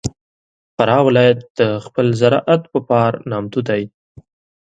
فراه ولایت د خپل زراعت په پار نامتو دی.